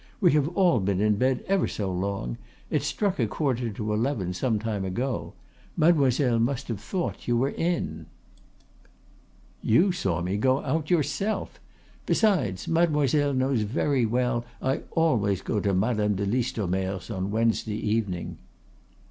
We have all been in bed ever so long; it struck a quarter to eleven some time ago. Mademoiselle must have thought you were in." "You saw me go out, yourself. Besides, Mademoiselle knows very well I always go to Madame de Listomere's on Wednesday evening."